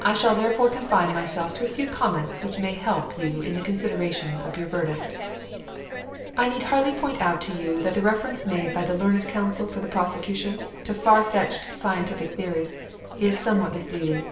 I shall therefore confine myself to a few comments which may help you in the consideration of your verdict. "I need hardly point out to you that the reference made by the learned counsel for the prosecution to far fetched scientific theories is somewhat misleading.